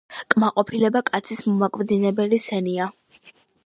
„კმაყოფილება კაცის მომაკვდინებელი სენია.“